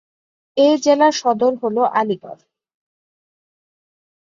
এই জেলার জেলা সদর হল আলিগড়।